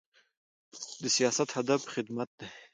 د سیاست هدف خدمت دی